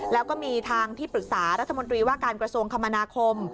แล้วก็มีทางที่ปรึกษารัฐมนตรีว่าการกระทรวงคมนาคม